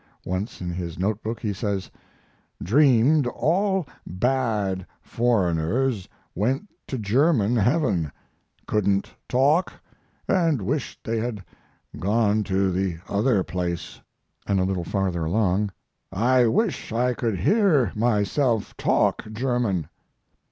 Once in his note book he says: "Dreamed all bad foreigners went to German heaven; couldn't talk, and wished they had gone to the other place"; and a little farther along, "I wish I could hear myself talk German."